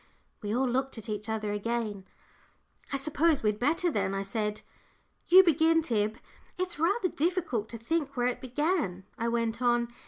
We all looked at each other again. "I suppose we'd better, then," I said. "You begin, Tib. It's rather difficult to think where it began," I went on.